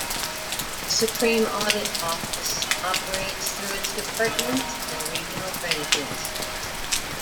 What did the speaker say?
The Supreme Audit Office operates through its Departments and Regional Branches.